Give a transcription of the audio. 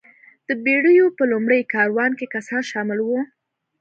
د بېړیو په لومړي کاروان کې کسان شامل وو.